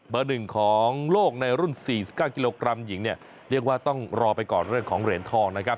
หนึ่งของโลกในรุ่น๔๙กิโลกรัมหญิงเนี่ยเรียกว่าต้องรอไปก่อนเรื่องของเหรียญทองนะครับ